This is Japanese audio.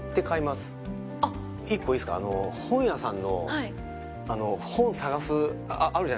１個いいですか本屋さんの本探すあるじゃないですか